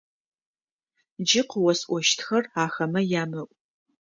Джы къыосӀощтхэр ахэмэ ямыӀу!